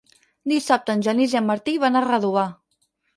Dissabte en Genís i en Martí van a Redovà.